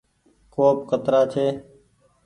ڪوپ ڪترآ ڇي۔